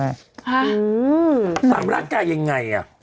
ค่ะสามร่างกายยังไงอ่ะ